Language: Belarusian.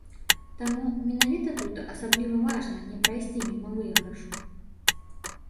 Таму менавіта тут асабліва важна не прайсці міма выйгрышу.